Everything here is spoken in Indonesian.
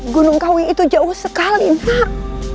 gunung kawi itu jauh sekali pak